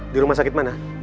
di rumah sakit mana